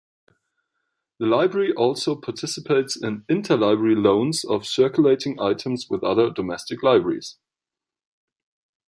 The library also participates in inter-library loans of circulating items with other domestic libraries.